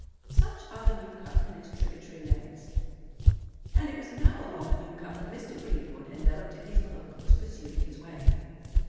Such are the New Cut and its tributary lanes. And it was now along the New Cut that Mr. Greenwood, enveloped in his cloak, was pursuing his way.